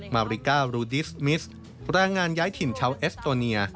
มาริการูดิสมิสแรงงานย้ายถิ่นชาวเอสโตเนีย